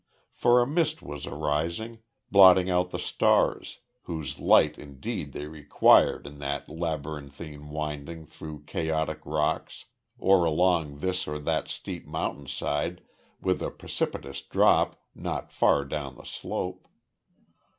For a mist was arising, blotting out the stars; whose light indeed they required in that labyrinthine winding through chaotic rocks, or along this or that steep mountain side with a precipitous drop not far down the slope.